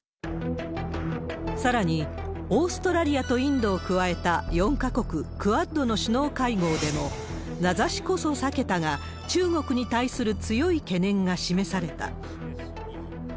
さらに、オーストラリアとインドを加えた４か国、クアッドの首脳会合でも、名指しこそ避けたが、中国に対する強い懸念が示された。